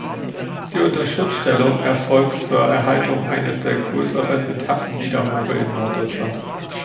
Die Unterschutzstellung erfolgt zur Erhaltung eines der größeren intakten Niedermoore in Norddeutschland.